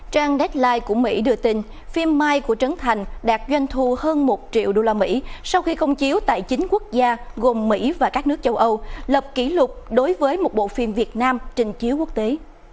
trang deadline của mỹ đưa tin phim mai của trấn thành đạt doanh thu hơn một triệu usd sau khi công chiếu tại chín quốc gia gồm mỹ và các nước châu âu lập kỷ lục đối với một bộ phim việt nam trình chiếu quốc tế